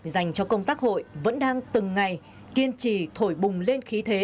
dành cho công tác hội vẫn đang từng ngày kiên trì thổi bùng lên khí thế